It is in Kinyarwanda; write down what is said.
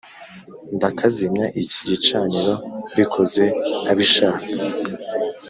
ndakazimya iki gicaniro mbikoze ntabishaka"